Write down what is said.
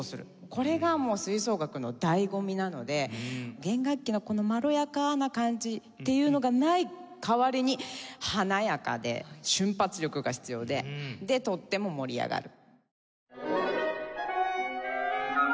これが吹奏楽の醍醐味なので弦楽器のまろやかな感じっていうのがない代わりに華やかで瞬発力が必要でとっても盛り上がる。